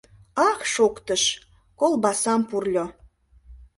«Ах!» шоктыш, колбасам пурльо.